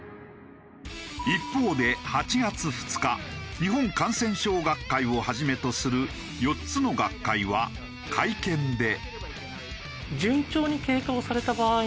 一方で８月２日日本感染症学会を始めとする４つの学会は会見で。